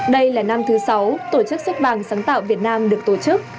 đây là năm thứ sáu tổ chức sách bàng sáng tạo việt nam được tổ chức